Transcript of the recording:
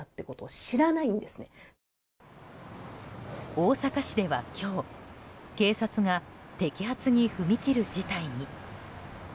大阪市では今日警察が摘発に踏み切る事態に。